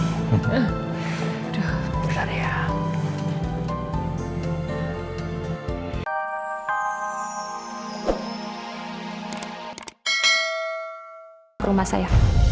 sampai jumpa di rumah saya